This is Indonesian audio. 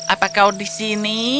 apa kau di sini